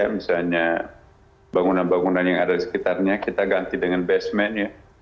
misalnya bangunan bangunan yang ada di sekitarnya kita ganti dengan basement ya